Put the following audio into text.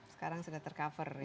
sekarang sudah tercover ya